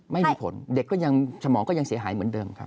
ไม่มีผลเด็กก็ยังสมองก็ยังเสียหายเหมือนเดิมครับ